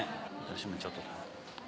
私もちょっと。